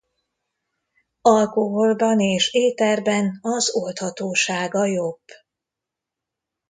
Alkoholban és éterben az oldhatósága jobb.